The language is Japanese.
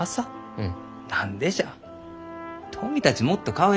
うん。